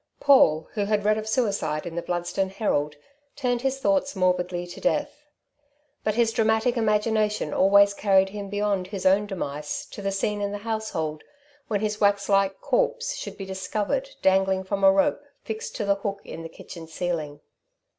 Paul, who had read of suicide in The Bludston Herald, turned his thoughts morbidly to death. But his dramatic imagination always carried him beyond' his own demise to the scene in the household when his waxlike corpse should be discovered dangling from a rope fixed to the hook in the kitchen ceiling.